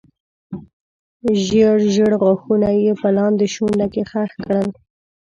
ژېړ ژېړ غاښونه یې په لاندې شونډه کې خښ کړل.